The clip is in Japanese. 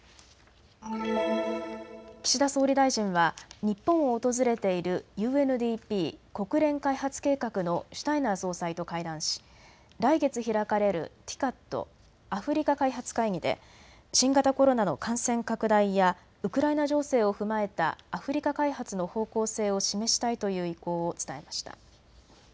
岸田総理大臣は日本を訪れているＵＮＤＰ・国連開発計画のシュタイナー総裁と会談し来月開かれるＴＩＣＡＤ・アフリカ開発会議で新型コロナの感染拡大やウクライナ情勢を踏まえたアフリカ開発の方向性を示したいという意向を伝えました。